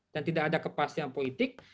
dan tidak ada kepastian politik